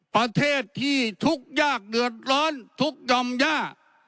ประเทศที่ทุกข์ยากเดือดร้อนทุกยอมย่า